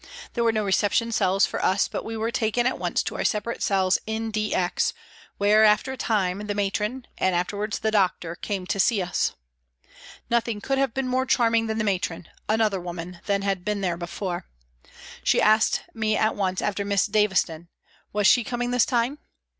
There were no reception cells for us, but we were taken at once to our separate cells in D X, where, after a time the Matron, and afterwards the doctor came to see us. Nothing could have been more charming than the Matron another woman than had been there before. She asked me at once after Miss Davison ; was she coming this time